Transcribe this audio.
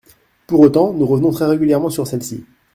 Pour autant, nous revenons très régulièrement sur celle-ci.